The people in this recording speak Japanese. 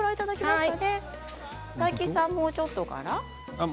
大吉さんは、もうちょっとかな？